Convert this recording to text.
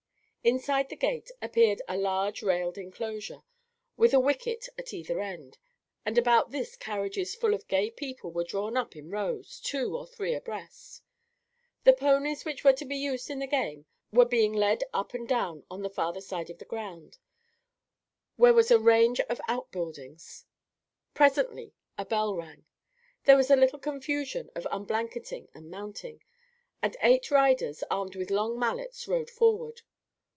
Inside the gate appeared a large railed enclosure, with a wicket at either end; and about this carriages full of gay people were drawn up in rows, two or three abreast. The ponies which were to be used in the game were being led up and down on the farther side of the ground, where was a range of out buildings. Presently a bell rang. There was a little confusion of unblanketing and mounting, and eight riders armed with long mallets rode forward.